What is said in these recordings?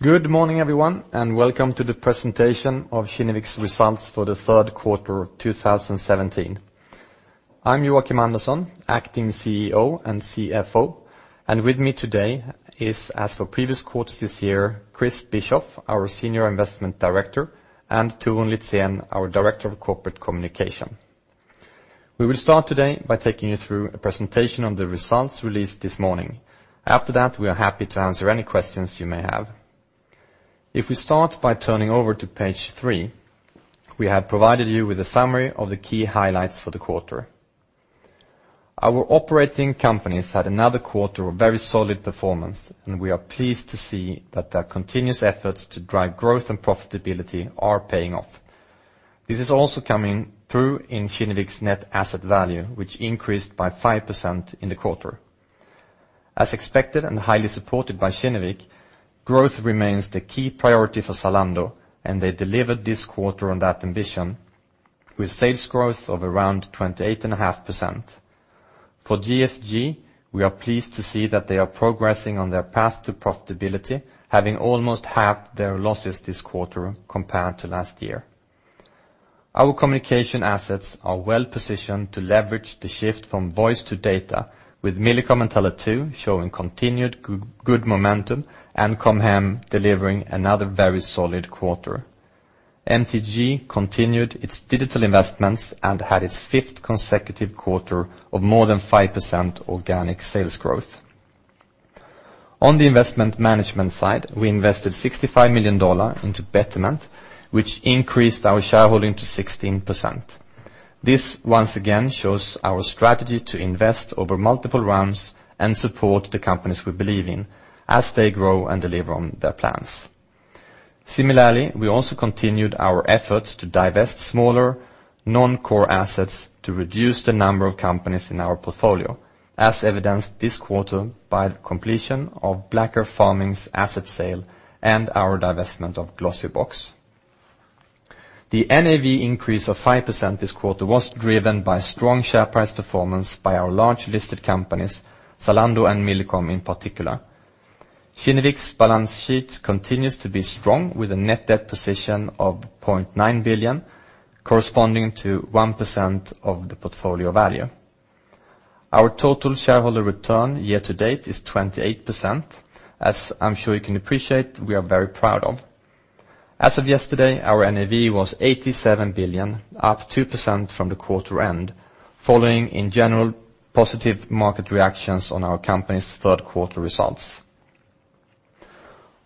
Good morning everyone. Welcome to the presentation of Kinnevik's results for the third quarter of 2017. I am Joakim Andersson, acting CEO and CFO, and with me today is, as for previous quarters this year, Christopher Bischoff, our Senior Investment Director, and Torun Litzén, our Director of Corporate Communication. We will start today by taking you through a presentation on the results released this morning. After that, we are happy to answer any questions you may have. If we start by turning over to page three, we have provided you with a summary of the key highlights for the quarter. Our operating companies had another quarter of very solid performance, and we are pleased to see that their continuous efforts to drive growth and profitability are paying off. This is also coming through in Kinnevik's net asset value, which increased by 5% in the quarter. As expected, highly supported by Kinnevik, growth remains the key priority for Zalando, and they delivered this quarter on that ambition with sales growth of around 28.5%. For GFG, we are pleased to see that they are progressing on their path to profitability, having almost halved their losses this quarter compared to last year. Our communication assets are well-positioned to leverage the shift from voice to data with Millicom and Tele2 showing continued good momentum, and Com Hem delivering another very solid quarter. MTG continued its digital investments and had its fifth consecutive quarter of more than 5% organic sales growth. On the investment management side, we invested $65 million into Betterment, which increased our shareholding to 16%. This once again shows our strategy to invest over multiple rounds and support the companies we believe in as they grow and deliver on their plans. Similarly, we also continued our efforts to divest smaller non-core assets to reduce the number of companies in our portfolio, as evidenced this quarter by the completion of Black Earth Farming's asset sale and our divestment of Glossybox. The NAV increase of 5% this quarter was driven by strong share price performance by our large listed companies, Zalando and Millicom in particular. Kinnevik's balance sheet continues to be strong, with a net debt position of 0.9 billion, corresponding to 1% of the portfolio value. Our total shareholder return year-to-date is 28%, as I am sure you can appreciate, we are very proud of. As of yesterday, our NAV was 87 billion, up 2% from the quarter end, following in general positive market reactions on our company's third-quarter results.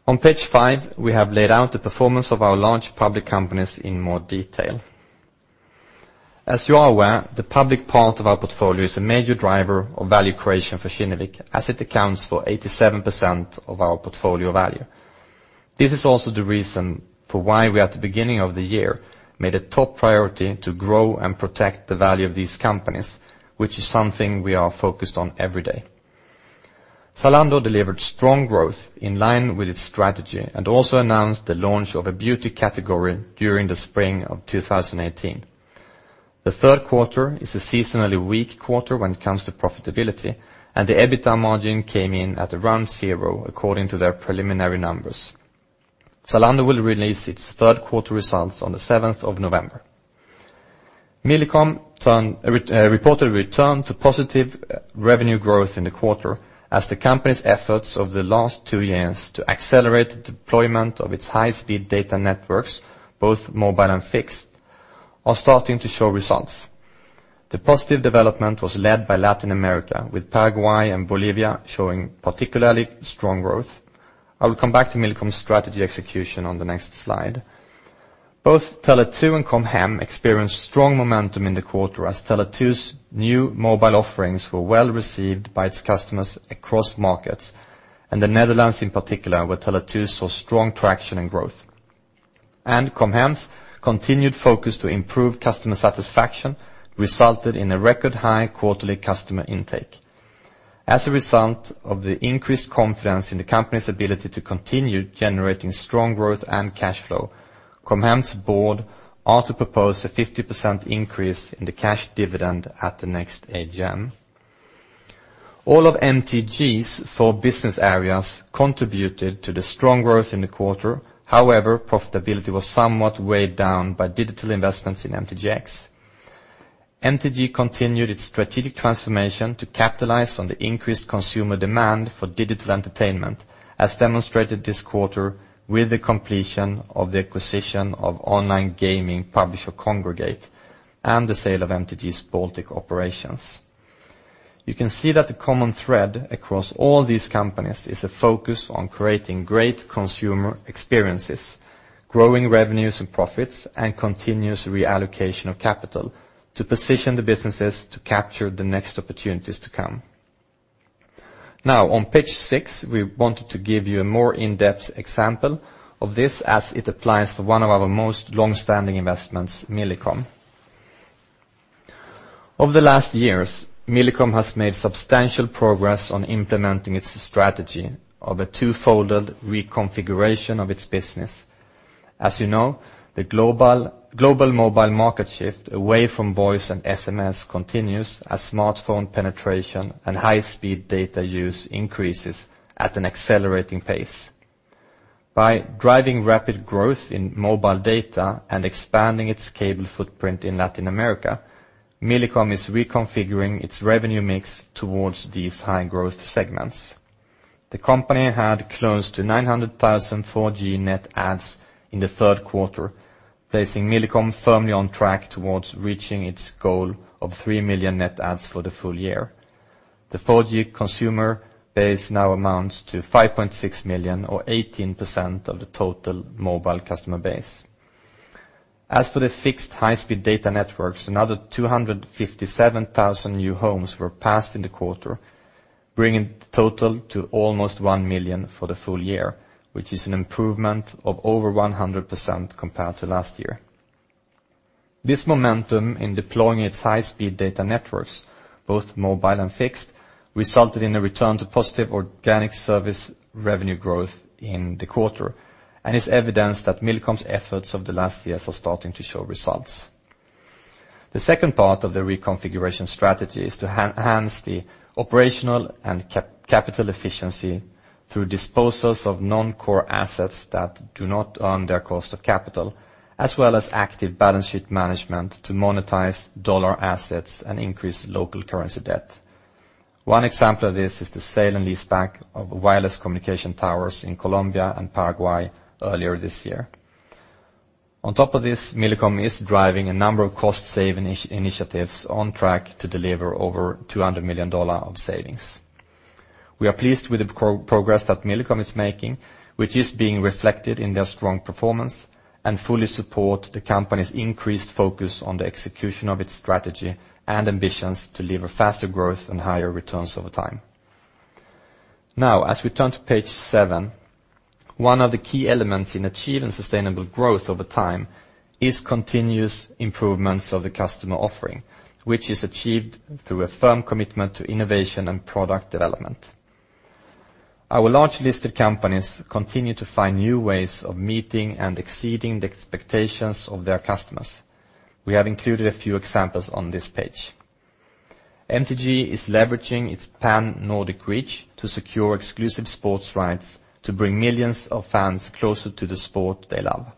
On page five, we have laid out the performance of our large public companies in more detail. As you are aware, the public part of our portfolio is a major driver of value creation for Kinnevik, as it accounts for 87% of our portfolio value. This is also the reason for why we, at the beginning of the year, made a top priority to grow and protect the value of these companies, which is something we are focused on every day. Zalando delivered strong growth in line with its strategy and also announced the launch of a beauty category during the spring of 2018. The third quarter is a seasonally weak quarter when it comes to profitability, and the EBITDA margin came in at around zero according to their preliminary numbers. Zalando will release its third-quarter results on the 7th of November. Millicom reported a return to positive revenue growth in the quarter as the company's efforts over the last two years to accelerate the deployment of its high-speed data networks, both mobile and fixed, are starting to show results. The positive development was led by Latin America, with Paraguay and Bolivia showing particularly strong growth. I will come back to Millicom's strategy execution on the next slide. Both Tele2 and Com Hem experienced strong momentum in the quarter as Tele2's new mobile offerings were well received by its customers across markets, and the Netherlands in particular, where Tele2 saw strong traction and growth. Com Hem's continued focus to improve customer satisfaction resulted in a record high quarterly customer intake. As a result of the increased confidence in the company's ability to continue generating strong growth and cash flow, Com Hem's board are to propose a 50% increase in the cash dividend at the next AGM. All of MTG's four business areas contributed to the strong growth in the quarter. However, profitability was somewhat weighed down by digital investments in MTGx. MTG continued its strategic transformation to capitalize on the increased consumer demand for digital entertainment, as demonstrated this quarter with the completion of the acquisition of online gaming publisher Kongregate and the sale of MTG's Baltic operations. You can see that the common thread across all these companies is a focus on creating great consumer experiences, growing revenues and profits, and continuous reallocation of capital to position the businesses to capture the next opportunities to come. Now on page six, we wanted to give you a more in-depth example of this as it applies for one of our most long-standing investments, Millicom. Over the last years, Millicom has made substantial progress on implementing its strategy of a two-folded reconfiguration of its business. As you know, the global mobile market shift away from voice and SMS continues as smartphone penetration and high-speed data use increases at an accelerating pace. By driving rapid growth in mobile data and expanding its cable footprint in Latin America, Millicom is reconfiguring its revenue mix towards these high-growth segments. The company had close to 900,000 4G net adds in the third quarter, placing Millicom firmly on track towards reaching its goal of three million net adds for the full year. The 4G consumer base now amounts to 5.6 million or 18% of the total mobile customer base. As for the fixed high-speed data networks, another 257,000 new homes were passed in the quarter, bringing the total to almost one million for the full year, which is an improvement of over 100% compared to last year. This momentum in deploying its high-speed data networks, both mobile and fixed, resulted in a return to positive organic service revenue growth in the quarter, and is evidence that Millicom's efforts over the last years are starting to show results. The second part of the reconfiguration strategy is to enhance the operational and capital efficiency through disposals of non-core assets that do not earn their cost of capital, as well as active balance sheet management to monetize dollar assets and increase local currency debt. One example of this is the sale and leaseback of wireless communication towers in Colombia and Paraguay earlier this year. Millicom is driving a number of cost-saving initiatives on track to deliver over SEK 200 million of savings. We are pleased with the progress that Millicom is making, which is being reflected in their strong performance, and fully support the company's increased focus on the execution of its strategy and ambitions to deliver faster growth and higher returns over time. As we turn to page seven, one of the key elements in achieving sustainable growth over time is continuous improvements of the customer offering, which is achieved through a firm commitment to innovation and product development. Our large listed companies continue to find new ways of meeting and exceeding the expectations of their customers. We have included a few examples on this page. MTG is leveraging its pan-Nordic reach to secure exclusive sports rights to bring millions of fans closer to the sport they love.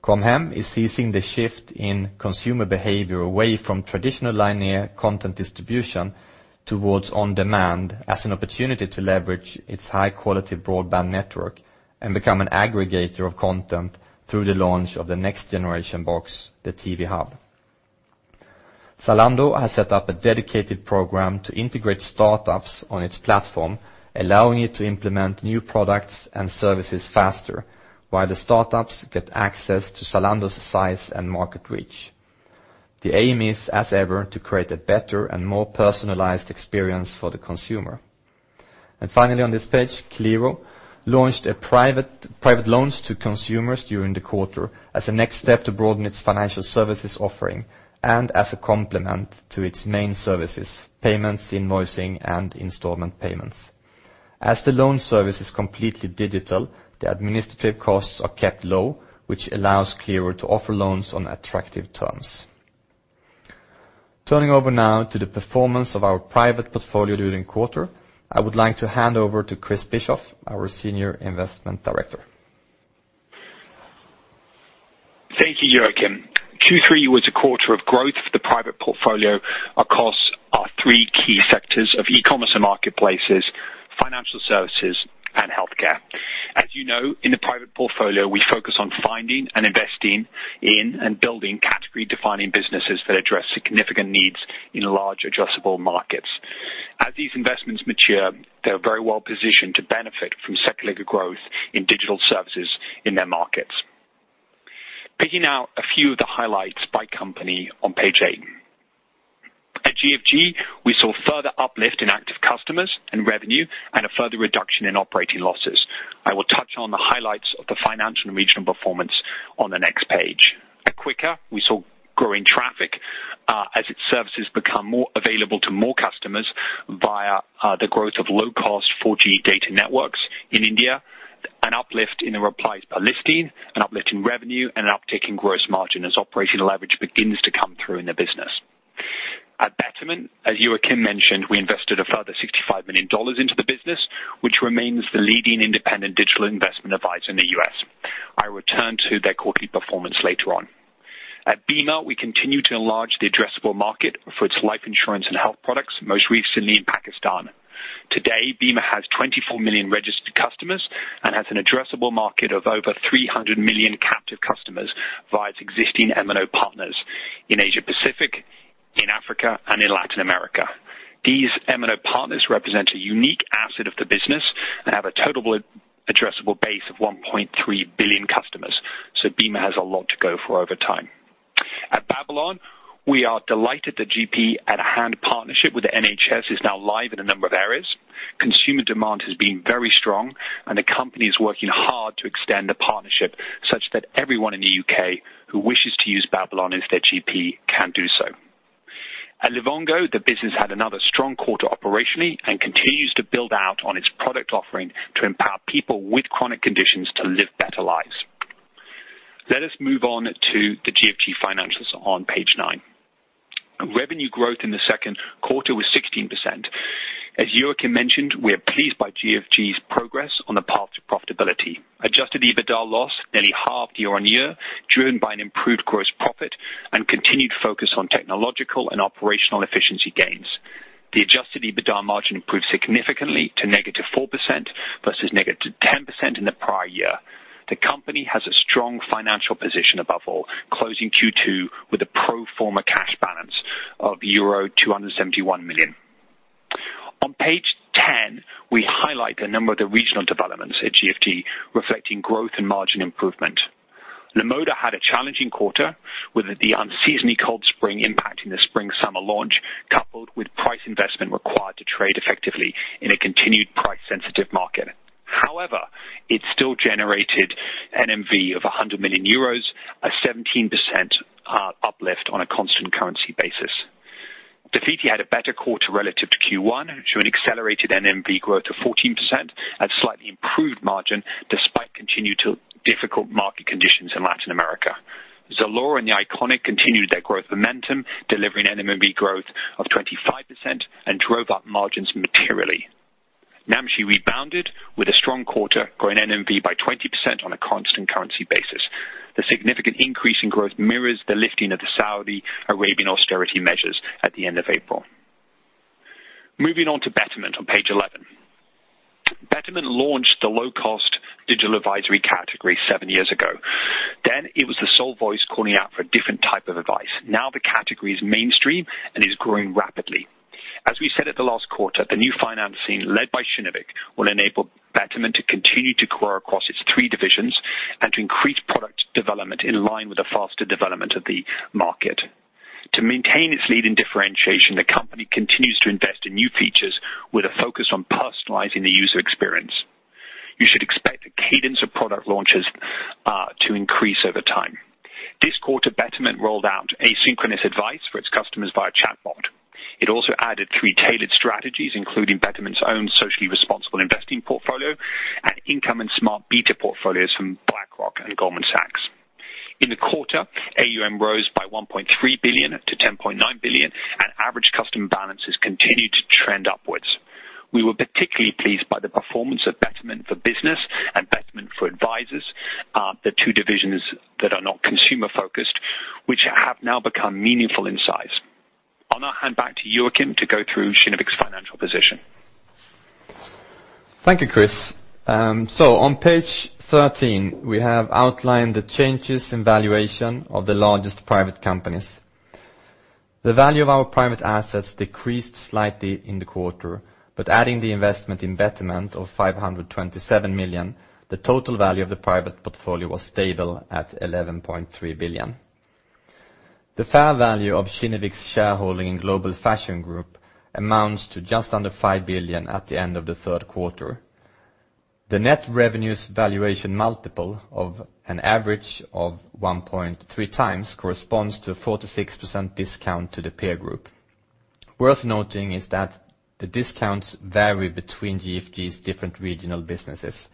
Com Hem is seizing the shift in consumer behavior away from traditional linear content distribution towards on-demand as an opportunity to leverage its high-quality broadband network and become an aggregator of content through the launch of the next generation box, the Tv Hub. Zalando has set up a dedicated program to integrate startups on its platform, allowing it to implement new products and services faster, while the startups get access to Zalando's size and market reach. The aim is, as ever, to create a better and more personalized experience for the consumer. Finally, on this page, Klarna launched private loans to consumers during the quarter as a next step to broaden its financial services offering and as a complement to its main services, payments, invoicing, and installment payments. As the loan service is completely digital, the administrative costs are kept low, which allows Klarna to offer loans on attractive terms. Turning over now to the performance of our private portfolio during the quarter, I would like to hand over to Christopher Bischoff, our Senior Investment Director. Thank you, Joakim. Q3 was a quarter of growth for the private portfolio across our three key sectors of e-commerce and marketplaces, financial services, and healthcare. As you know, in the private portfolio, we focus on finding and investing in and building category-defining businesses that address significant needs in large addressable markets. As these investments mature, they are very well positioned to benefit from secular growth in digital services in their markets. Picking out a few of the highlights by company on page eight. At GFG, we saw further uplift in active customers and revenue and a further reduction in operating losses. I will touch on the highlights of the financial and regional performance on the next page. At Quikr, we saw growing traffic as its services become more available to more customers via the growth of low-cost 4G data networks in India, an uplift in the replies per listing, an uplift in revenue, and an uptick in gross margin as operational leverage begins to come through in the business. At Betterment, as Joakim mentioned, we invested a further $65 million into the business, which remains the leading independent digital investment advisor in the U.S. I return to their quarterly performance later on. At Bima, we continue to enlarge the addressable market for its life insurance and health products, most recently in Pakistan. Today, Bima has 24 million registered customers and has an addressable market of over 300 million captive customers via its existing MNO partners in Asia Pacific, in Africa, and in Latin America. These MNO partners represent a unique asset of the business and have a total addressable base of 1.3 billion customers. Bima has a lot to go for over time. At Babylon, we are delighted the GP at Hand partnership with the NHS is now live in a number of areas. Consumer demand has been very strong and the company is working hard to extend the partnership such that everyone in the U.K. who wishes to use Babylon as their GP can do so. At Livongo, the business had another strong quarter operationally and continues to build out on its product offering to empower people with chronic conditions to live better lives. Let us move on to the GFG financials on page nine. Revenue growth in the second quarter was 16%. As Joakim mentioned, we are pleased by GFG's progress on the path to profitability. Adjusted EBITDA loss nearly halved year-on-year, driven by an improved gross profit and continued focus on technological and operational efficiency gains. The adjusted EBITDA margin improved significantly to negative 4% versus negative 10% in the prior year. The company has a strong financial position above all, closing Q2 with a pro forma cash balance of euro 271 million. On page 10, we highlight a number of the regional developments at GFG reflecting growth and margin improvement. Lamoda had a challenging quarter with the unseasonably cold spring impacting the spring/summer launch, coupled with price investment required to trade effectively in a continued price-sensitive market. However, it still generated NMV of 100 million euros, a 17% uplift on a constant currency basis. Dafiti had a better quarter relative to Q1, showing accelerated NMV growth of 14% and slightly improved margin despite continued difficult market conditions in Latin America. Zalora and The Iconic continued their growth momentum, delivering NMV growth of 25% and drove up margins materially. Namshi rebounded with a strong quarter, growing NMV by 20% on a constant currency basis. The significant increase in growth mirrors the lifting of the Saudi Arabian austerity measures at the end of April. Moving on to Betterment on page 11. Betterment launched the low-cost digital advisory category seven years ago. It was the sole voice calling out for a different type of advice. Now the category is mainstream and is growing rapidly. As we said at the last quarter, the new finance scene led by Kinnevik will enable Betterment to continue to grow across its three divisions and to increase product development in line with the faster development of the market. To maintain its lead in differentiation, the company continues to invest in new features with a focus on personalizing the user experience. You should expect a cadence of product launches to increase over time. This quarter, Betterment rolled out asynchronous advice for its customers via chatbot. It also added three tailored strategies, including Betterment's own socially responsible investing portfolio and income and smart beta portfolios from BlackRock and Goldman Sachs. In the quarter, AUM rose by 1.3 billion to 10.9 billion, and average customer balances continued to trend upwards. We were particularly pleased by the performance of Betterment for Business and Betterment for Advisors, the two divisions that are not consumer-focused, which have now become meaningful in size. I'll now hand back to Joakim to go through Kinnevik's financial position. Thank you, Chris. On page 13, we have outlined the changes in valuation of the largest private companies. The value of our private assets decreased slightly in the quarter, but adding the investment in Betterment of 527 million, the total value of the private portfolio was stable at 11.3 billion. The fair value of Kinnevik's shareholding in Global Fashion Group amounts to just under 5 billion at the end of the third quarter. The net revenue's valuation multiple of an average of 1.3 times corresponds to a 46% discount to the peer group. Worth noting is that the discounts vary between GFG's different regional businesses.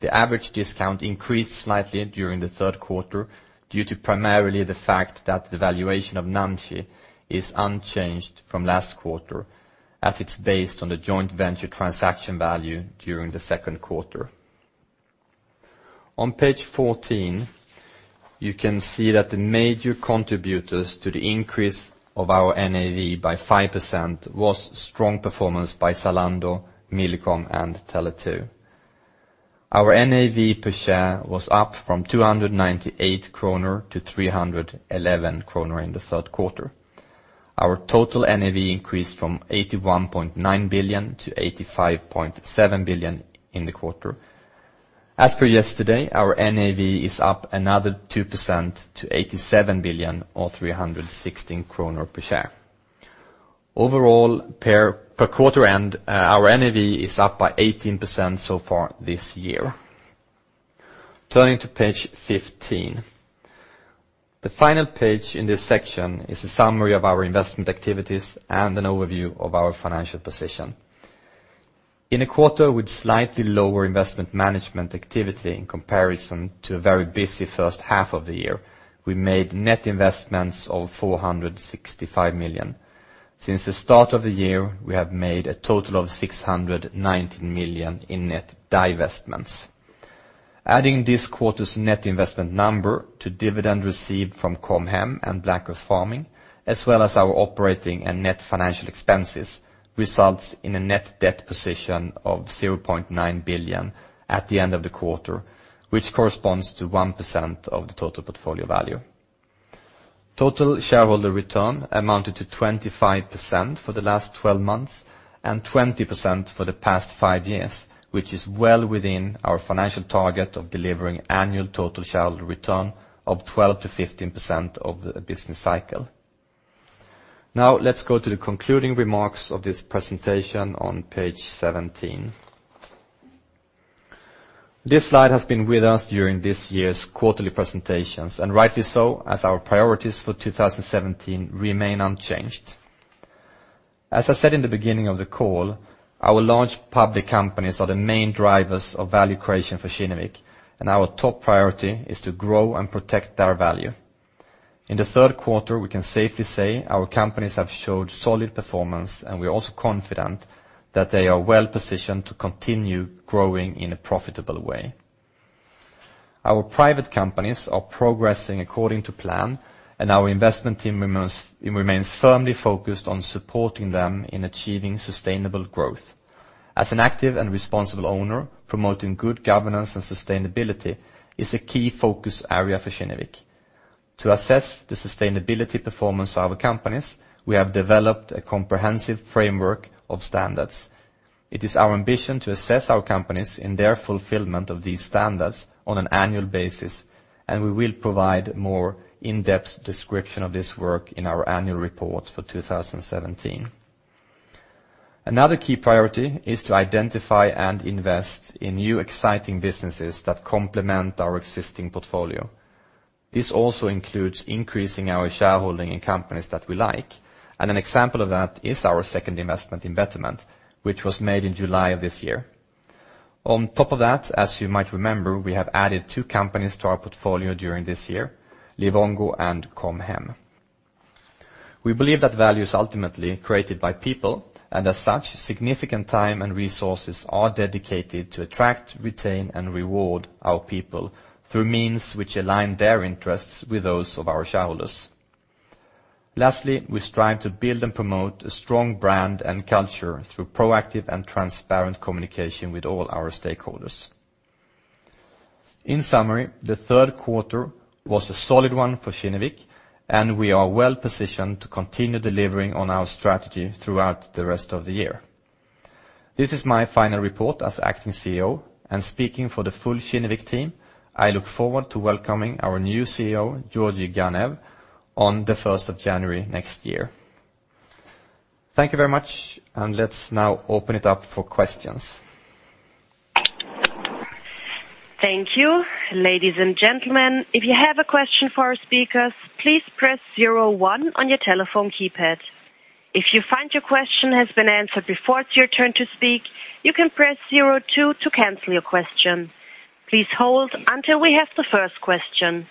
The average discount increased slightly during the third quarter due to primarily the fact that the valuation of Namshi is unchanged from last quarter, as it's based on the joint venture transaction value during the second quarter. On page 14, you can see that the major contributors to the increase of our NAV by 5% was strong performance by Zalando, Millicom, and Tele2. Our NAV per share was up from 298 kronor to 311 kronor in the third quarter. Our total NAV increased from 81.9 billion to 85.7 billion in the quarter. As per yesterday, our NAV is up another 2% to 87 billion or 316 kronor per share. Overall, per quarter end, our NAV is up by 18% so far this year. Turning to page 15. The final page in this section is a summary of our investment activities and an overview of our financial position. In a quarter with slightly lower investment management activity in comparison to a very busy first half of the year, we made net investments of 465 million. Since the start of the year, we have made a total of 619 million in net divestments. Adding this quarter's net investment number to dividend received from Com Hem and Black Earth Farming, as well as our operating and net financial expenses, results in a net debt position of 0.9 billion at the end of the quarter, which corresponds to 1% of the total portfolio value. Total shareholder return amounted to 25% for the last 12 months and 20% for the past five years, which is well within our financial target of delivering annual total shareholder return of 12%-15% over the business cycle. Let's go to the concluding remarks of this presentation on page 17. This slide has been with us during this year's quarterly presentations, and rightly so, as our priorities for 2017 remain unchanged. As I said in the beginning of the call, our large public companies are the main drivers of value creation for Kinnevik, and our top priority is to grow and protect their value. In the third quarter, we can safely say our companies have showed solid performance, and we are also confident that they are well-positioned to continue growing in a profitable way. Our private companies are progressing according to plan, and our investment team remains firmly focused on supporting them in achieving sustainable growth. As an active and responsible owner, promoting good governance and sustainability is a key focus area for Kinnevik. To assess the sustainability performance of our companies, we have developed a comprehensive framework of standards. It is our ambition to assess our companies in their fulfillment of these standards on an annual basis, and we will provide more in-depth description of this work in our annual report for 2017. Another key priority is to identify and invest in new, exciting businesses that complement our existing portfolio. This also includes increasing our shareholding in companies that we like, and an example of that is our second investment in Betterment, which was made in July of this year. On top of that, as you might remember, we have added two companies to our portfolio during this year, Livongo and Com Hem. We believe that value is ultimately created by people, and as such, significant time and resources are dedicated to attract, retain, and reward our people through means which align their interests with those of our shareholders. Lastly, we strive to build and promote a strong brand and culture through proactive and transparent communication with all our stakeholders. In summary, the third quarter was a solid one for Kinnevik, and we are well-positioned to continue delivering on our strategy throughout the rest of the year. This is my final report as acting CEO, and speaking for the full Kinnevik team, I look forward to welcoming our new CEO, Georgi Ganev, on the 1st of January next year. Thank you very much, and let's now open it up for questions. Thank you. Ladies and gentlemen, if you have a question for our speakers, please press zero one on your telephone keypad. If you find your question has been answered before it's your turn to speak, you can press zero two to cancel your question. Please hold until we have the first question.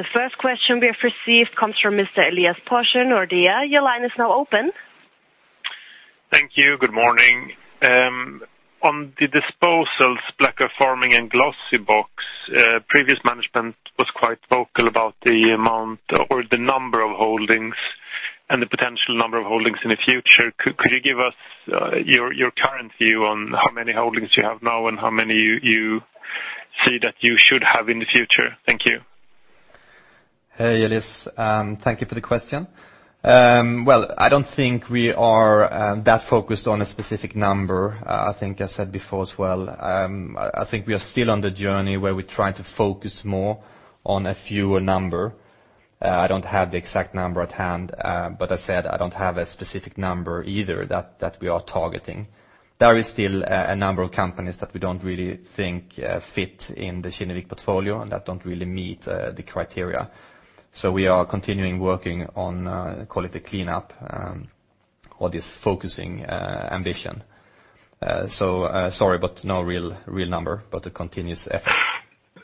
The first question we have received comes from Mr. Elias Porse, Nordea. Your line is now open. Thank you. Good morning. On the disposals, Black Earth Farming and Glossybox, previous management was quite vocal about the amount or the number of holdings and the potential number of holdings in the future. Could you give us your current view on how many holdings you have now and how many you see that you should have in the future? Thank you. Hey, Elias. Thank you for the question. Well, I don't think we are that focused on a specific number. I think I said before as well, I think we are still on the journey where we try to focus more on a fewer number. I don't have the exact number at hand, but I said I don't have a specific number either that we are targeting. There is still a number of companies that we don't really think fit in the Kinnevik portfolio and that don't really meet the criteria. We are continuing working on call it a cleanup on this focusing ambition. Sorry, but no real number, but a continuous effort.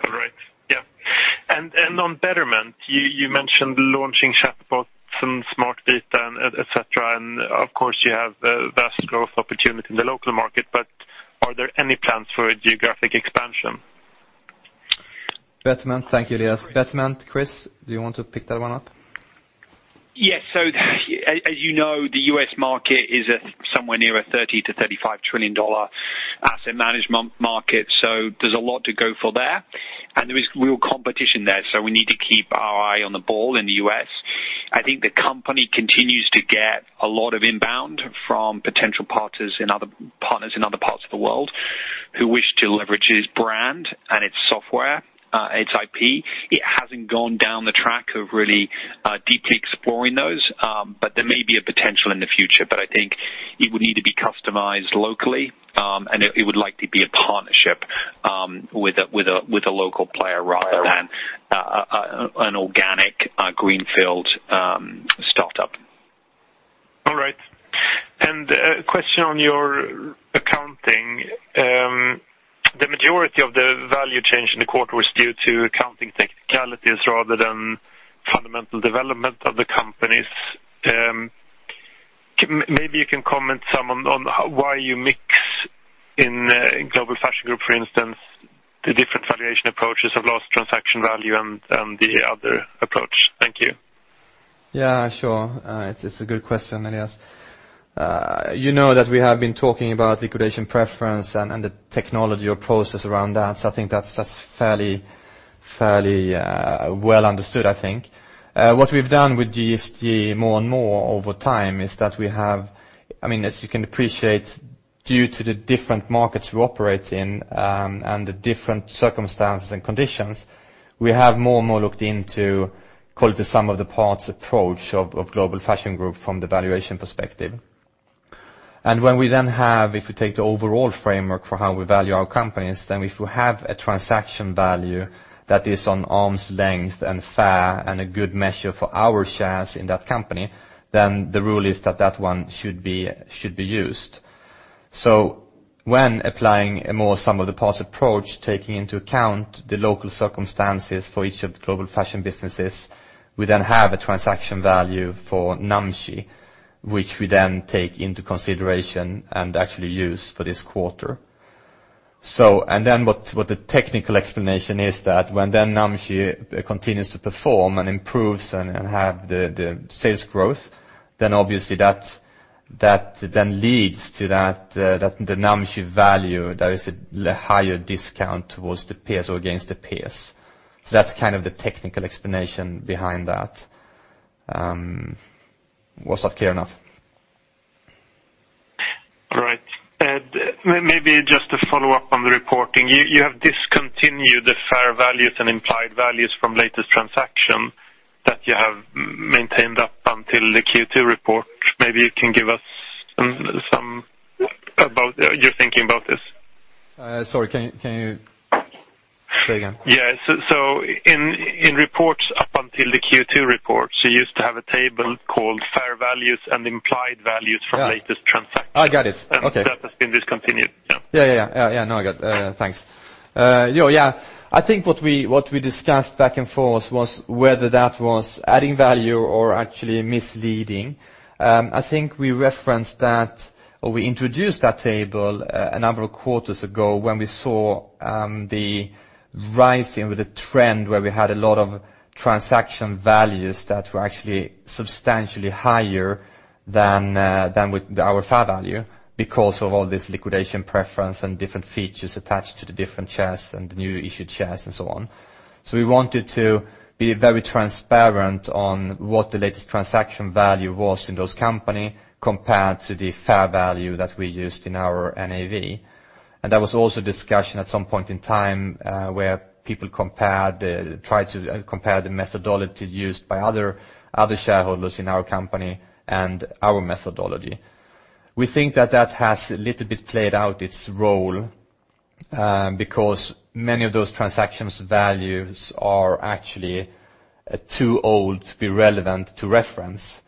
All right. Yeah. On Betterment, you mentioned launching chatbots and smart beta, et cetera, and of course you have vast growth opportunity in the local market, but are there any plans for a geographic expansion? Thank you, Elias. Betterment, Chris, do you want to pick that one up? Yes. As you know, the U.S. market is somewhere near a $30 trillion-$35 trillion asset management market, there's a lot to go for there, and there is real competition there, we need to keep our eye on the ball in the U.S. I think the company continues to get a lot of inbound from potential partners in other parts of the world who wish to leverage its brand and its software, its IP. It hasn't gone down the track of really deeply exploring those, but there may be a potential in the future, but I think it would need to be customized locally, and it would likely be a partnership with a local player rather than an organic greenfield startup. All right. A question on your accounting. The majority of the value change in the quarter was due to accounting technicalities rather than fundamental development of the companies. Maybe you can comment some on why you mix in Global Fashion Group, for instance, the different valuation approaches of lost transaction value and the other approach. Thank you. Yeah, sure. It's a good question, Elias. You know that we have been talking about liquidation preference and the technology or process around that, I think that's fairly well understood, I think. What we've done with GFG more and more over time is that we have, as you can appreciate, due to the different markets we operate in and the different circumstances and conditions, we have more and more looked into call it the sum of the parts approach of Global Fashion Group from the valuation perspective. When we have, if we take the overall framework for how we value our companies, if we have a transaction value that is on arm's length and fair, and a good measure for our shares in that company, the rule is that that one should be used. When applying a more sum of the parts approach, taking into account the local circumstances for each of the Global Fashion businesses, we have a transaction value for Namshi, which we take into consideration and actually use for this quarter. What the technical explanation is that when Namshi continues to perform and improves and have the sales growth, obviously that leads to that, the Namshi value, there is a higher discount towards the peers or against the peers. That's kind of the technical explanation behind that. Was that clear enough? Right. Maybe just to follow up on the reporting. You have discontinued the fair values and implied values from latest transaction that you have maintained up until the Q2 report. Maybe you can give us some about your thinking about this? Sorry, can you say again? Yeah. In reports up until the Q2 report, you used to have a table called Fair Values and Implied Values from Latest Transaction. I got it. Okay. That has been discontinued. Yeah. Yeah. Now I got it. Thanks. Yeah. I think what we discussed back and forth was whether that was adding value or actually misleading. I think we referenced that, or we introduced that table a number of quarters ago when we saw the rising with the trend where we had a lot of transaction values that were actually substantially higher than with our fair value because of all this liquidation preference and different features attached to the different shares and the new issued shares and so on. We wanted to be very transparent on what the latest transaction value was in those company compared to the fair value that we used in our NAV. There was also discussion at some point in time, where people tried to compare the methodology used by other shareholders in our company and our methodology. We think that that has a little bit played out its role, because many of those transactions values are actually too old to be relevant to reference.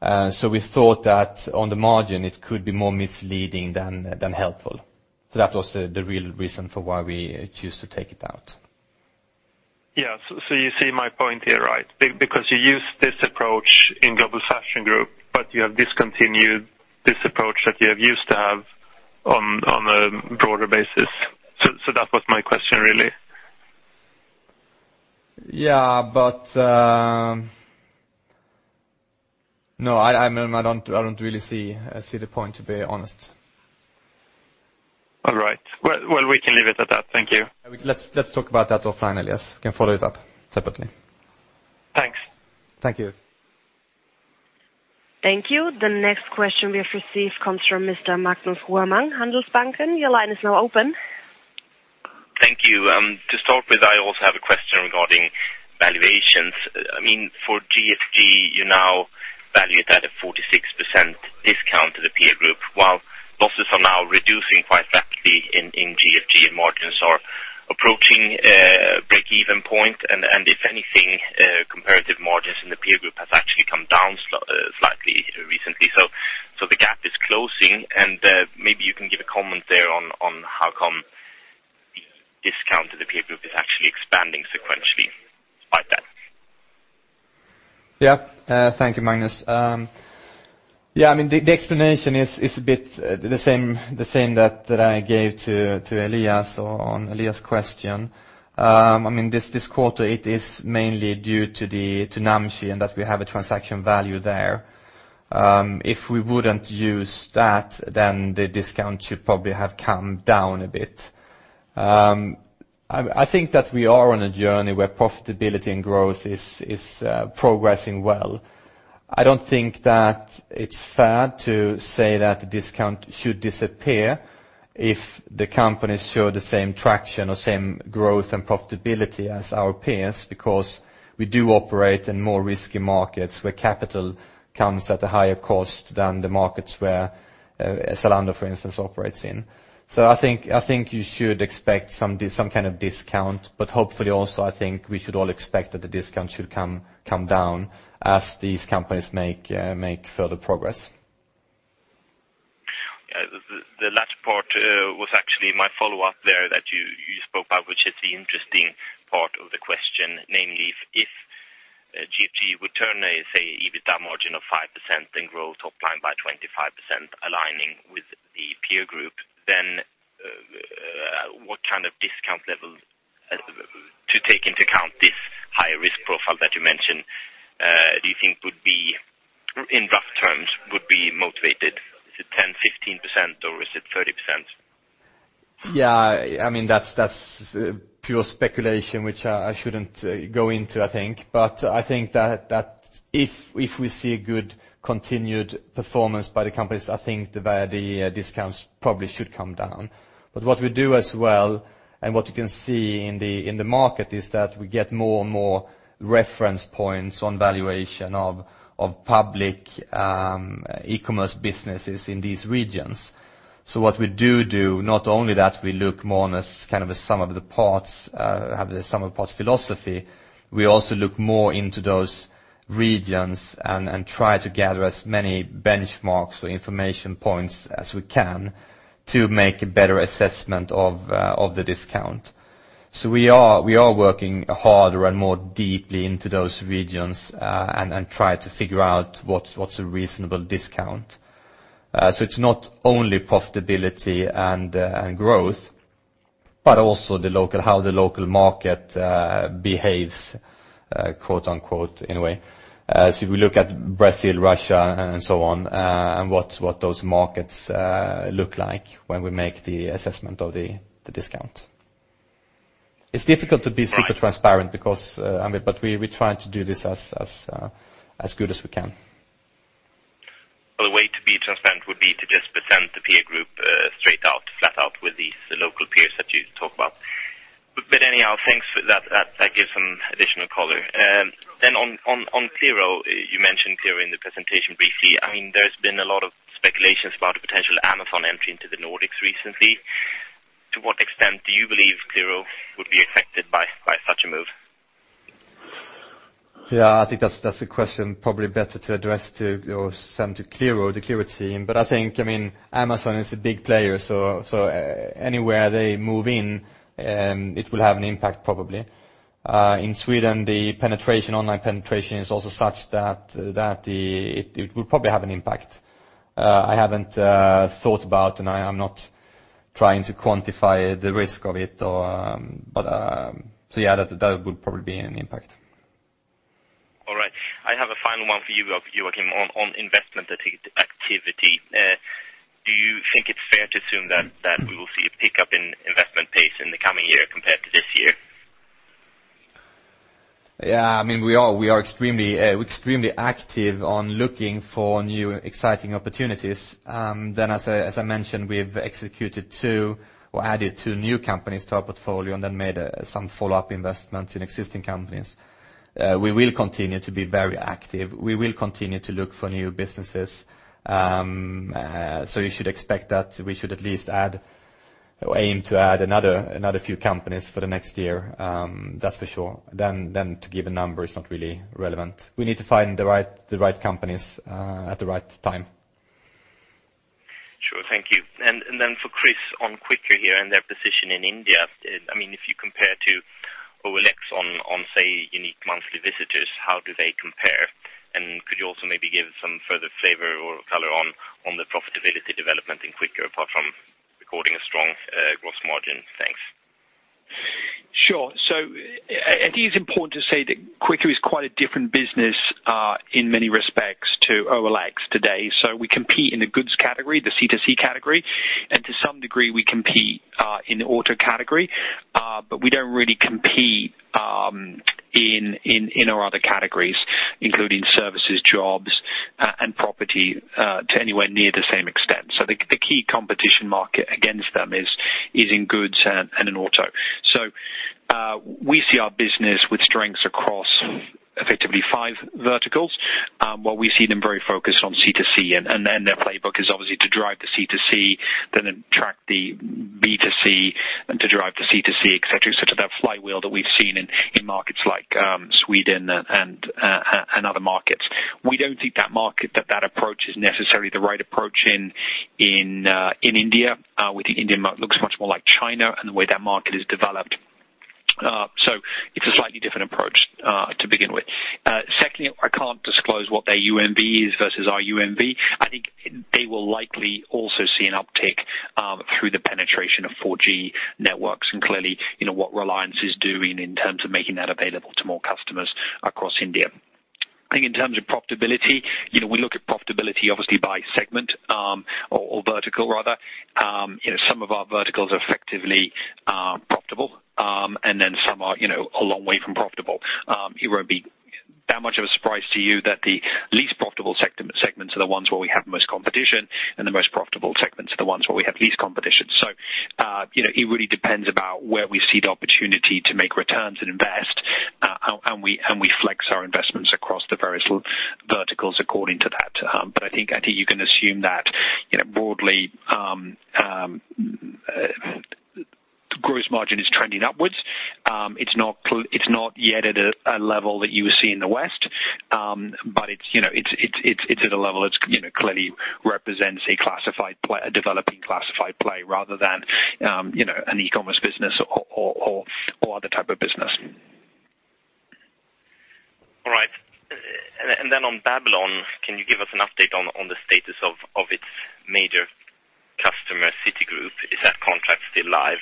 We thought that on the margin it could be more misleading than helpful. That was the real reason for why we choose to take it out. Yeah. You see my point here, right? Because you used this approach in Global Fashion Group, but you have discontinued this approach that you have used to have on a broader basis. That was my question really. No, I don't really see the point, to be honest. All right. Well, we can leave it at that. Thank you. Let's talk about that offline, Elias. We can follow it up separately. Thanks. Thank you. Thank you. The next question we have received comes from Mr. Magnus Råman, Handelsbanken. Your line is now open. Thank you. To start with, I also have a question regarding valuations. For GFG, you now value it at a 46% discount to the peer group, while losses are now reducing quite rapidly in GFG and margins are approaching a break-even point. If anything, comparative margins in the peer group has actually come down slightly recently. The gap is closing and maybe you can give a comment there on how come discount to the peer group is actually expanding sequentially like that. Yeah. Thank you, Magnus. The explanation is a bit the same that I gave to Elias on Elias' question. This quarter it is mainly due to Namshi and that we have a transaction value there. If we wouldn't use that, then the discount should probably have come down a bit. I think that we are on a journey where profitability and growth is progressing well. I don't think that it's fair to say that the discount should disappear if the companies show the same traction or same growth and profitability as our peers, because we do operate in more risky markets where capital comes at a higher cost than the markets where Zalando, for instance, operates in. I think you should expect some kind of discount, but hopefully also I think we should all expect that the discount should come down as these companies make further progress. Yeah. The last part was actually my follow-up there that you spoke about, which is the interesting part of the question. Namely, if GFG would turn a, say, EBITDA margin of 5% and grow top line by 25% aligning with the peer group, what kind of discount level to take into account this high-risk profile that you mentioned, do you think, in rough terms, would be motivated? Is it 10, 15% or is it 30%? That's pure speculation, which I shouldn't go into, I think. I think that if we see a good continued performance by the companies, I think the value discounts probably should come down. What we do as well, and what you can see in the market, is that we get more and more reference points on valuation of public e-commerce businesses in these regions. What we do do, not only that we look more on as a sum of the parts, have the sum of parts philosophy, we also look more into those regions and try to gather as many benchmarks or information points as we can to make a better assessment of the discount. We are working harder and more deeply into those regions, and try to figure out what's a reasonable discount. It's not only profitability and growth, but also how the local market "behaves," quote unquote, in a way. If we look at Brazil, Russia, and so on, and what those markets look like when we make the assessment of the discount. It's difficult to be super transparent but we try to do this as good as we can. The way to be transparent would be to just present the peer group straight out, flat out with these local peers that you talk about. Anyhow, thanks for that. That gives some additional color. On Qliro, you mentioned Qliro in the presentation briefly. There's been a lot of speculations about a potential Amazon entry into the Nordics recently. To what extent do you believe Qliro would be affected by such a move? I think that's a question probably better to address to or send to Qliro, the Qliro team. I think Amazon is a big player, so anywhere they move in, it will have an impact probably. In Sweden, the online penetration is also such that it will probably have an impact. I haven't thought about, and I am not trying to quantify the risk of it. That would probably be an impact. All right. I have a final one for you, Joakim, on investment activity. Do you think it's fair to assume that we will see a pickup in investment pace in the coming year compared to this year? Yeah, we are extremely active on looking for new exciting opportunities. As I mentioned, we've added two new companies to our portfolio and then made some follow-up investments in existing companies. We will continue to be very active. We will continue to look for new businesses. You should expect that we should at least aim to add another few companies for the next year. That's for sure. To give a number is not really relevant. We need to find the right companies at the right time. Sure, thank you. For Chris on Quikr here and their position in India. If you compare to OLX on, say, unique monthly visitors, how do they compare? Could you also maybe give some further flavor or color on the profitability development in Quikr apart from recording a strong gross margin? Thanks. Sure. I think it's important to say that Quikr is quite a different business in many respects to OLX today. We compete in the goods category, the C2C category, and to some degree, we compete in the auto category, but we don't really compete in our other categories, including services, jobs, and property to anywhere near the same extent. The key competition market against them is in goods and in auto. We see our business with strengths across effectively five verticals, while we see them very focused on C2C, and their playbook is obviously to drive the C2C, then attract the B2C, and to drive the C2C, et cetera. That flywheel that we've seen in markets like Sweden and other markets. We don't think that approach is necessarily the right approach in India. We think India looks much more like China and the way that market has developed. It's a slightly different approach to begin with. Secondly, I can't disclose what their UMV is versus our UMV. I think they will likely also see an uptick through the penetration of 4G networks, and clearly, what Reliance is doing in terms of making that available to more customers across India. I think in terms of profitability, we look at profitability obviously by segment or vertical, rather. Some of our verticals are effectively profitable, and then some are a long way from profitable. It won't be that much of a surprise to you that the least profitable segments are the ones where we have the most competition, and the most profitable segments are the ones where we have least competition. It really depends about where we see the opportunity to make returns and invest, and we flex our investments across the various verticals according to that. I think you can assume that broadly, gross margin is trending upwards. It's not yet at a level that you would see in the West, but it's at a level that clearly represents a developing classified play rather than an e-commerce business or other type of business. All right. On Babylon, can you give us an update on the status of its major customer, Citigroup? Is that contract still live?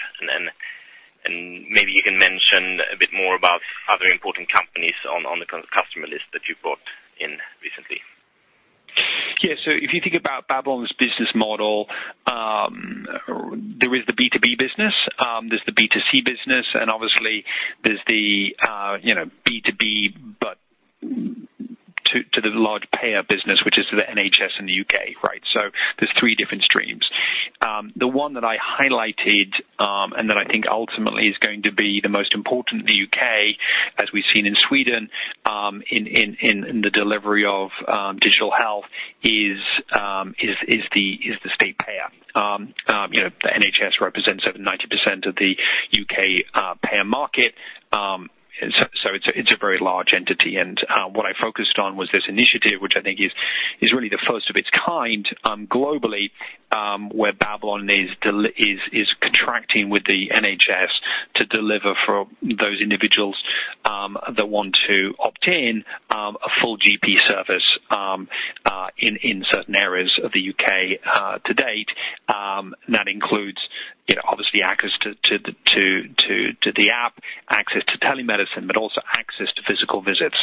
Maybe you can mention a bit more about other important companies on the customer list that you brought in recently. Babylon's business model, there is the B2B business, there's the B2C business, and obviously there's the B2B, but to the large payer business, which is the NHS in the U.K. There's three different streams. The one that I highlighted, and that I think ultimately is going to be the most important in the U.K., as we've seen in Sweden, in the delivery of digital health is the state payer. The NHS represents over 90% of the U.K. payer market. It's a very large entity, and what I focused on was this initiative, which I think is really the first of its kind globally, where Babylon is contracting with the NHS to deliver for those individuals that want to obtain a full GP service in certain areas of the U.K. to date. That includes obviously access to the app, access to telemedicine, but also access to physical visits.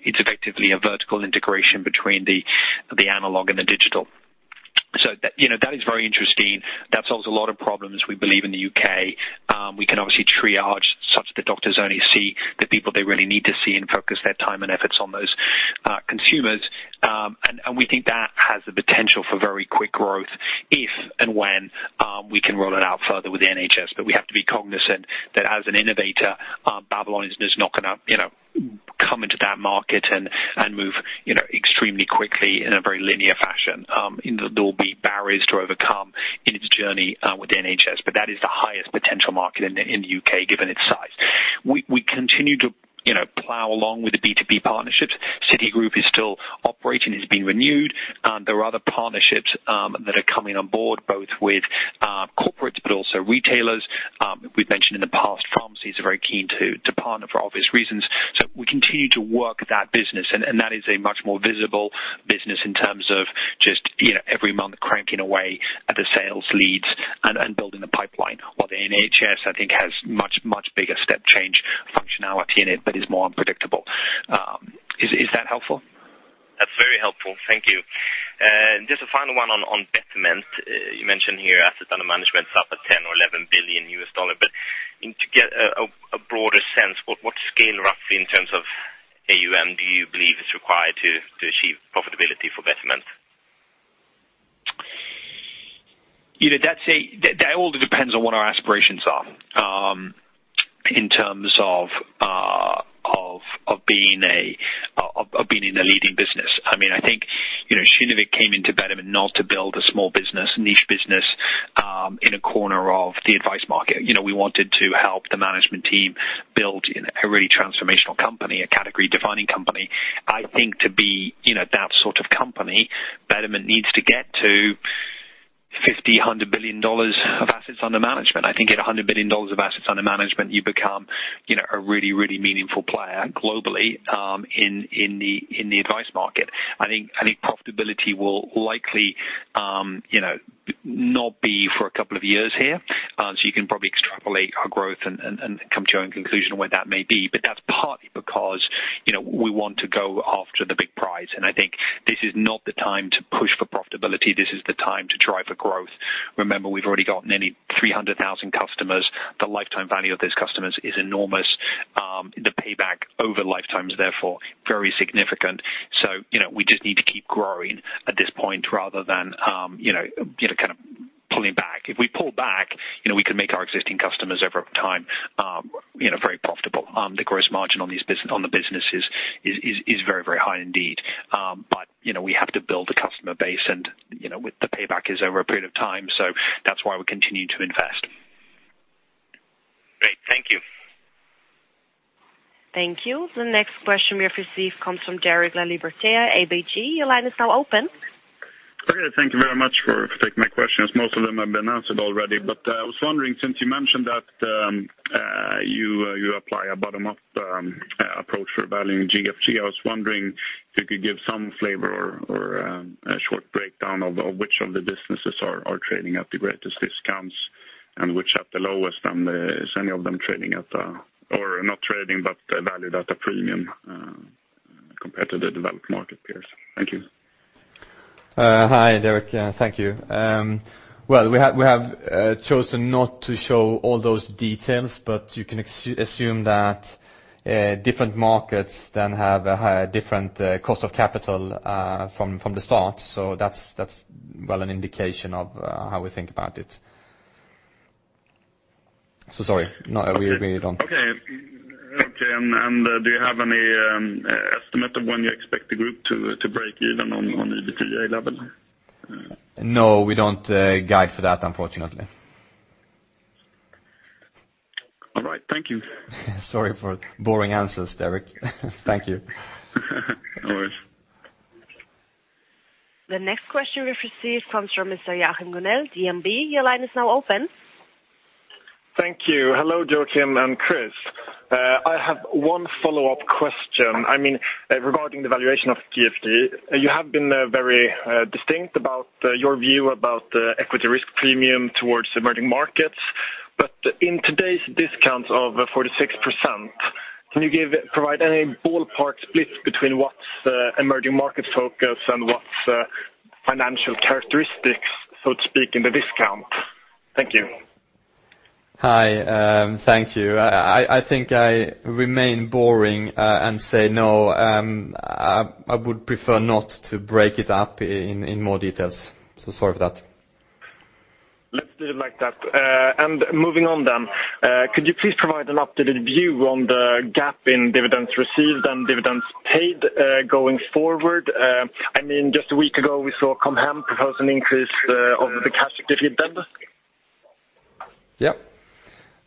It's effectively a vertical integration between the analog and the digital. That is very interesting. That solves a lot of problems we believe in the U.K. We can obviously triage such that doctors only see the people they really need to see and focus their time and efforts on those consumers. We think that has the potential for very quick growth if and when we can roll it out further with the NHS. We have to be cognizant that as an innovator, Babylon is just not going to come into that market and move extremely quickly in a very linear fashion. There will be barriers to overcome in its journey with the NHS, but that is the highest potential market in the U.K., given its size. We continue to plow along with the B2B partnerships. Citigroup is still operating, it's been renewed. There are other partnerships that are coming on board, both with corporates but also retailers. We've mentioned in the past, pharmacies are very keen to partner for obvious reasons. We continue to work that business, and that is a much more visible business in terms of just every month cranking away at the sales leads and building the pipeline, while the NHS, I think, has much, much bigger step change functionality in it but is more unpredictable. Is that helpful? That's very helpful. Thank you. Just a final one on Betterment. You mentioned here assets under management is up at $10 or $11 billion, but to get a broader sense, what scale roughly in terms of AUM do you believe is required to achieve profitability for Betterment? That all depends on what our aspirations are in terms of being in a leading business. I think Kinnevik came into Betterment not to build a small business, a niche business in a corner of the advice market. We wanted to help the management team build a really transformational company, a category-defining company. I think to be that sort of company, Betterment needs to get to $50, $100 billion of assets under management. I think at $100 billion of assets under management, you become a really meaningful player globally in the advice market. I think profitability will likely not be for a couple of years here. You can probably extrapolate our growth and come to your own conclusion when that may be. That's partly because we want to go after the big prize. I think this is not the time to push for profitability, this is the time to drive for growth. Remember, we've already gotten nearly 300,000 customers. The lifetime value of those customers is enormous. The payback over lifetimes, therefore very significant. We just need to keep growing at this point rather than pulling back. If we pull back, we can make our existing customers over time very profitable. The gross margin on the business is very high indeed. We have to build the customer base and the payback is over a period of time, that's why we continue to invest. Great. Thank you. Thank you. The next question we have received comes from Derek Laliberté, ABG. Your line is now open. Thank you very much for taking my questions. Most of them have been answered already. I was wondering, since you mentioned that you apply a bottom-up approach for valuing GFG, I was wondering if you could give some flavor or a short breakdown of which of the businesses are trading at the greatest discounts and which at the lowest, and is any of them valued at a premium compared to the developed market peers? Thank you. Hi, Derek. Thank you. Well, we have chosen not to show all those details, but you can assume that different markets then have a different cost of capital from the start. That's an indication of how we think about it. Sorry. No, we don't. Okay. Do you have any estimate of when you expect the group to break even on EBITDA level? No, we don't guide for that, unfortunately. All right. Thank you. Sorry for boring answers, Derek. Thank you. All right. The next question we've received comes from Mr. Joachim Gunell, DNB. Your line is now open. Thank you. Hello, Joachim and Chris. I have one follow-up question regarding the valuation of GFG. In today's discounts of 46%, can you provide any ballpark split between what's emerging market focus and what's financial characteristics, so to speak, in the discount? Thank you. Hi. Thank you. I think I remain boring and say no. I would prefer not to break it up in more details. Sorry for that. Moving on, could you please provide an updated view on the gap in dividends received and dividends paid going forward? Just a week ago, we saw Com Hem propose an increase over the cash dividend. Yes.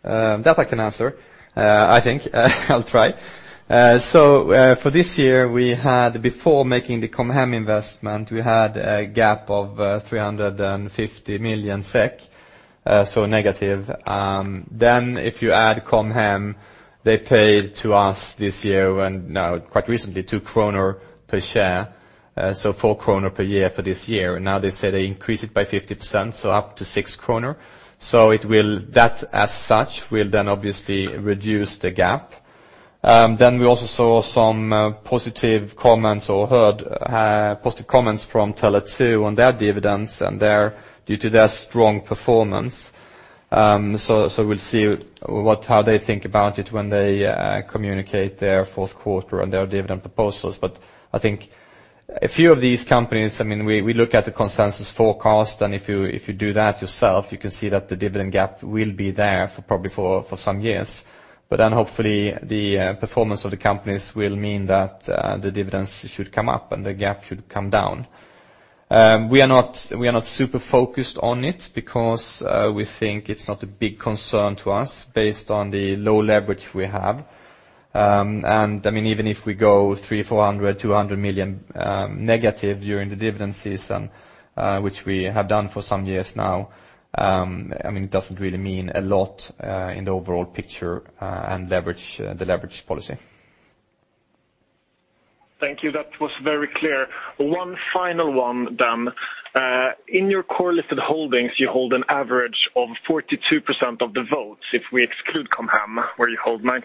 That I can answer, I think. I'll try. For this year, before making the Com Hem investment, we had a gap of 350 million SEK. Negative. If you add Com Hem, they paid to us this year, quite recently, 2 kronor per share, 4 kronor per year for this year. Now they say they increase it by 50%, up to 6 kronor. That as such will obviously reduce the gap. We also saw some positive comments, or heard positive comments from Tele2 on their dividends due to their strong performance. We'll see how they think about it when they communicate their fourth quarter on their dividend proposals. I think a few of these companies, we look at the consensus forecast, and if you do that yourself, you can see that the dividend gap will be there probably for some years. Hopefully the performance of the companies will mean that the dividends should come up and the gap should come down. We are not super focused on it because we think it's not a big concern to us based on the low leverage we have. Even if we go 300 million, 400 million, 200 million negative during the dividend season, which we have done for some years now, it doesn't really mean a lot in the overall picture and the leverage policy. Thank you. That was very clear. One final one. In your core listed holdings, you hold an average of 42% of the votes if we exclude Com Hem, where you hold 19%.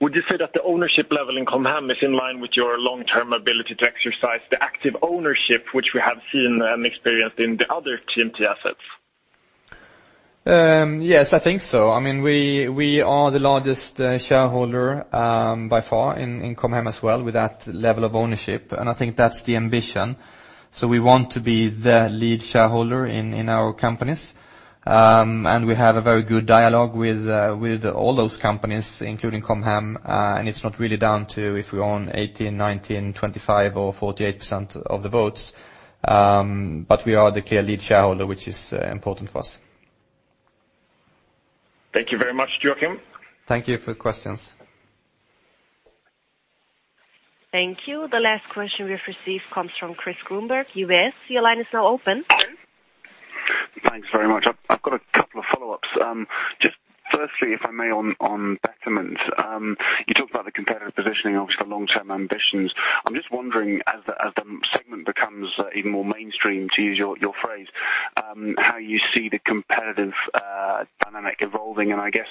Would you say that the ownership level in Com Hem is in line with your long-term ability to exercise the active ownership, which we have seen and experienced in the other TMT assets? Yes, I think so. We are the largest shareholder by far in Com Hem as well with that level of ownership, and I think that's the ambition. We want to be the lead shareholder in our companies. We have a very good dialogue with all those companies, including Com Hem, and it's not really down to if we own 18%, 19%, 25% or 48% of the votes. We are the clear lead shareholder, which is important for us. Thank you very much, Joakim. Thank you for the questions. Thank you. The last question we've received comes from Christopher Grundberg, UBS. Your line is now open. Thanks very much. I've got a couple of follow-ups. Just firstly, if I may, on Betterment. You talked about the competitive positioning, obviously the long-term ambitions. I'm just wondering, as the segment becomes even more mainstream, to use your phrase, how you see the competitive dynamic evolving, and I guess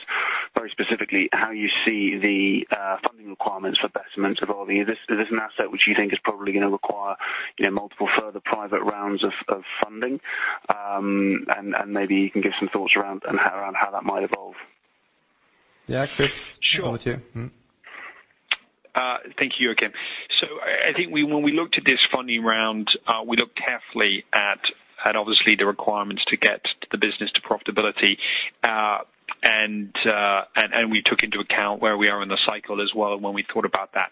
very specifically, how you see the funding requirements for Betterment evolving. Is this an asset which you think is probably going to require multiple further private rounds of funding? Maybe you can give some thoughts around how that might evolve. Yes, Chris. Sure. Over to you. Thank you, Joakim. I think when we looked at this funding round, we looked carefully at obviously the requirements to get the business to profitability. We took into account where we are in the cycle as well when we thought about that.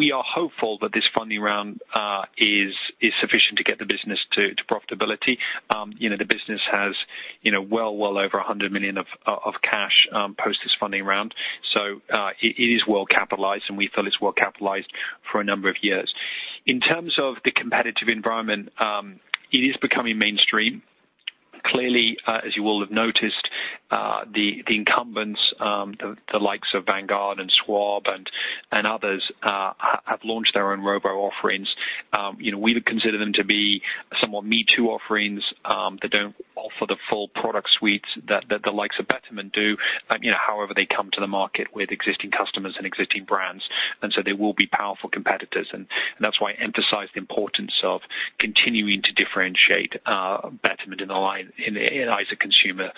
We are hopeful that this funding round is sufficient to get the business to profitability. The business has well over $100 million of cash post this funding round, so it is well capitalized, and we feel it's well capitalized for a number of years. In terms of the competitive environment, it is becoming mainstream. Clearly, as you will have noticed, the incumbents, the likes of Vanguard and Schwab and others, have launched their own robo offerings. We would consider them to be somewhat me-too offerings that don't offer the full product suites that the likes of Betterment do. However, they come to the market with existing customers and existing brands, they will be powerful competitors, and that's why I emphasize the importance of continuing to differentiate Betterment in the eyes of consumers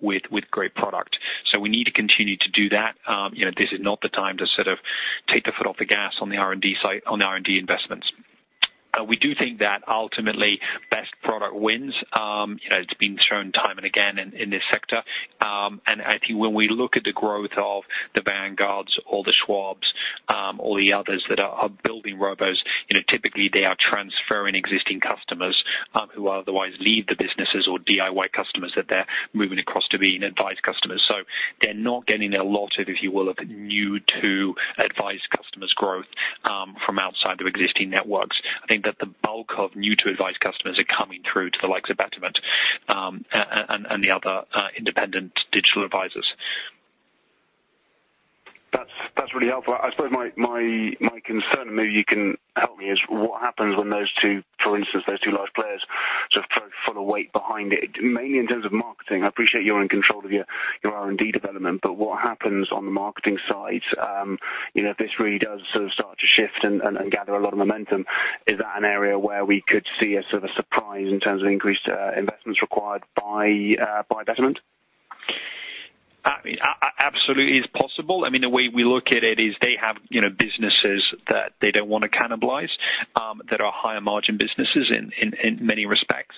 with great product. We need to continue to do that. This is not the time to take the foot off the gas on the R&D investments. We do think that ultimately best product wins. It's been shown time and again in this sector. I think when we look at the growth of the Vanguards or the Schwabs, or the others that are building robos, typically they are transferring existing customers who otherwise leave the businesses or DIY customers that they're moving across to being advised customers. They're not getting a lot of, if you will, new-to-advise customers growth from outside their existing networks. I think that the bulk of new-to-advise customers are coming through to the likes of Betterment and the other independent digital advisors. That's really helpful. I suppose my concern, and maybe you can help me, is what happens when those two, for instance, those two large players throw full weight behind it, mainly in terms of marketing. I appreciate you're in control of your R&D development, but what happens on the marketing side? If this really does start to shift and gather a lot of momentum, is that an area where we could see a sort of surprise in terms of increased investments required by Betterment? Absolutely, it's possible. The way we look at it is they have businesses that they don't want to cannibalize, that are higher margin businesses in many respects.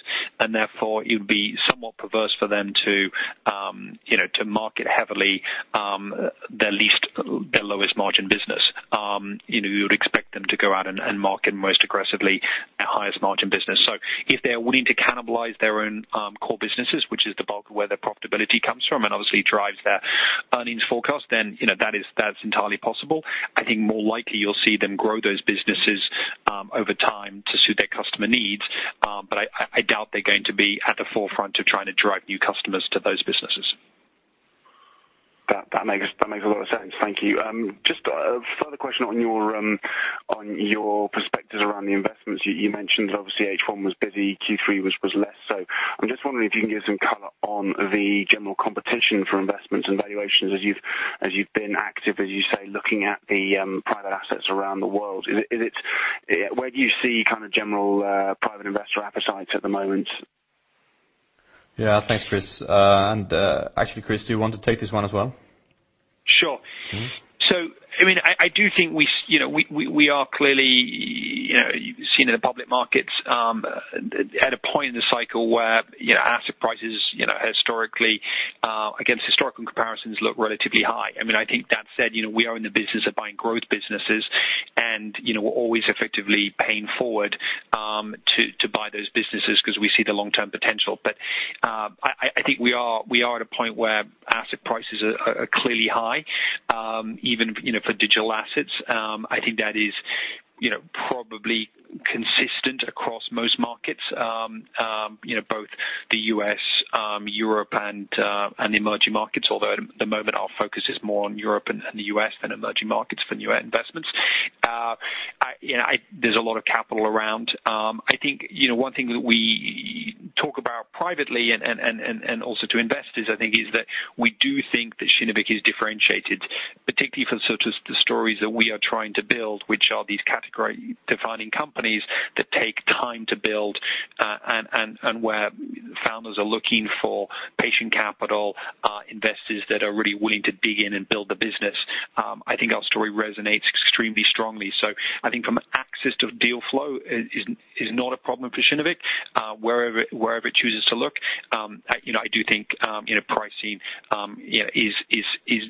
Therefore, it would be somewhat perverse for them to market heavily their lowest margin business. You would expect them to go out and market most aggressively their highest margin business. If they're willing to cannibalize their own core businesses, which is the bulk of where their profitability comes from and obviously drives their earnings forecast, then that's entirely possible. I think more likely you'll see them grow those businesses over time to suit their customer needs. I doubt they're going to be at the forefront of trying to drive new customers to those businesses. That makes a lot of sense. Thank you. Just a further question on your perspectives around the investments. You mentioned, obviously, H1 was busy, Q3 was less so. I'm just wondering if you can give some color on the general competition for investments and valuations as you've been active, as you say, looking at the private assets around the world. Where do you see general private investor appetites at the moment? Yeah. Thanks, Chris. Actually, Chris, do you want to take this one as well? Sure. I do think we are clearly, seen in the public markets, at a point in the cycle where asset prices historically, against historical comparisons, look relatively high. That said, we are in the business of buying growth businesses. We're always effectively paying forward to buy those businesses because we see the long-term potential. I think we are at a point where asset prices are clearly high, even for digital assets. I think that is probably consistent across most markets, both the U.S., Europe, and the emerging markets. At the moment, our focus is more on Europe and the U.S. than emerging markets for new investments. There's a lot of capital around. I think one thing that we talk about privately and also to investors, I think, is that we do think that Kinnevik is differentiated, particularly for the stories that we are trying to build, which are these category-defining companies that take time to build, and where founders are looking for patient capital, investors that are really willing to dig in and build the business. I think our story resonates extremely strongly. I think from an access to deal flow is not a problem for Kinnevik, wherever it chooses to look. I do think pricing is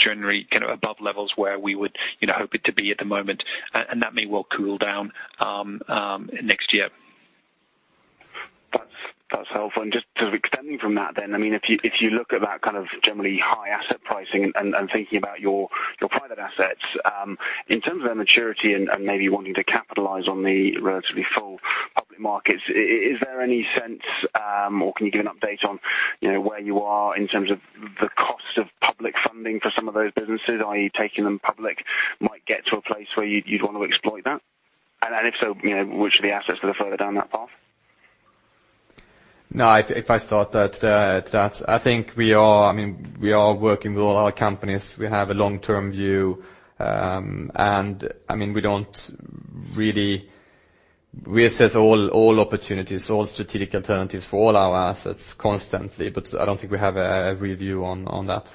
generally above levels where we would hope it to be at the moment, and that may well cool down next year. That's helpful. Just extending from that, if you look at that generally high asset pricing and thinking about your private assets, in terms of their maturity and maybe wanting to capitalize on the relatively full public markets, is there any sense or can you give an update on where you are in terms of the cost of public funding for some of those businesses? Are you taking them public might get to a place where you'd want to exploit that? If so, which of the assets are further down that path? No, if I start to that. I think we are working with all our companies. We have a long-term view. We don't really reassess all opportunities, all strategic alternatives for all our assets constantly, but I don't think we have a review on that.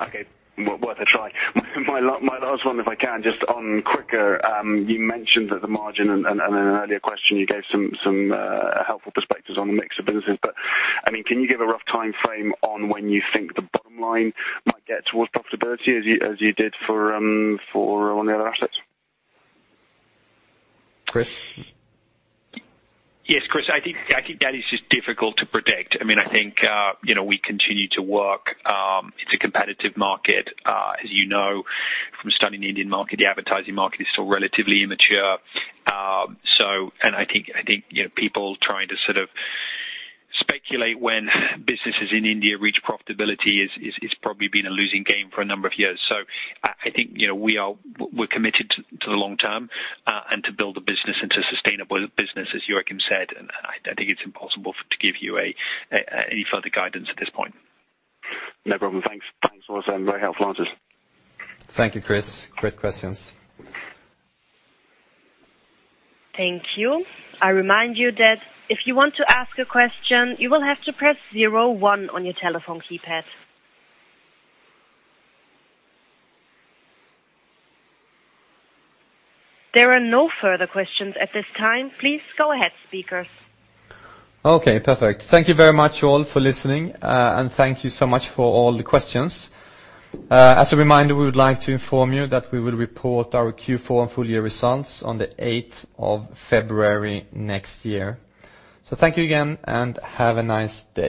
Okay. Worth a try. My last one, if I can, just on Quikr. You mentioned at the margin in an earlier question, you gave some helpful perspectives on the mix of businesses. Can you give a rough timeframe on when you think the bottom line might get towards profitability as you did on the other assets? Chris? Yes, Chris, I think that is just difficult to predict. We continue to work. It's a competitive market. As you know, from studying the Indian market, the advertising market is still relatively immature. I think, people trying to speculate when businesses in India reach profitability is probably been a losing game for a number of years. I think we're committed to the long term, and to build the business into a sustainable business, as Joakim said, and I think it's impossible to give you any further guidance at this point. No problem. Thanks. Those are very helpful answers. Thank you, Chris. Great questions. Thank you. I remind you that if you want to ask a question, you will have to press 01 on your telephone keypad. There are no further questions at this time. Please go ahead, speakers. Okay, perfect. Thank you very much all for listening, and thank you so much for all the questions. As a reminder, we would like to inform you that we will report our Q4 and full-year results on the 8th of February next year. Thank you again, and have a nice day.